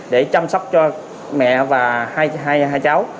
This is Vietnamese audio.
để chăm sóc cho mẹ và hai cháu